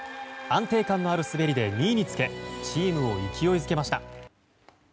安定感のある滑りで２位につけチームを勢いづけました。